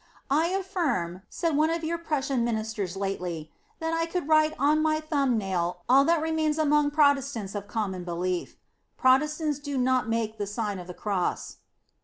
" I affirm," said one of your Prussian min isters lately, " that I could write on my thumb nail all that remains among Protestants of common belief:" Protestants do not make the Sign of the Cross.